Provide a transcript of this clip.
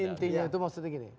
intinya itu maksudnya gini